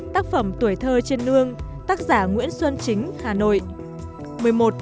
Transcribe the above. một mươi tác phẩm tuổi thơ trên nương tác giả nguyễn xuân chính hà nội